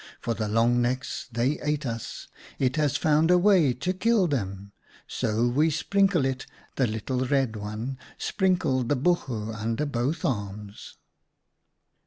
For the Long necks, they that ate us, It has found a way to kill them ; So we sprinkle it, the little Red One, Sprinkle the buchu under both arms."